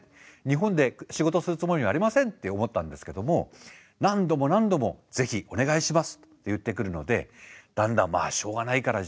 日本で仕事するつもりはありませんって思ったんですけども何度も何度もぜひお願いしますって言ってくるのでだんだんまあしょうがないかな。